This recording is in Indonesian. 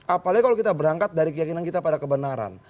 apalagi kalau kita berangkat dari keyakinan kita pada kebenaran